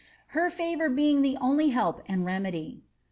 Her favour being the only help and remedy."